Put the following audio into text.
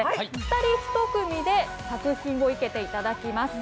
２人１組で作品を生けていただきます。